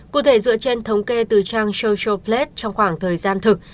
cụ thể dựa trên thống kê từ trang socialplate trong khoảng thời gian thực